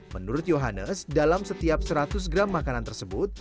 menurut johannes dalam setiap seratus gram makanan tersebut